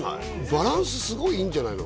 バランスすごいいいんじゃないの？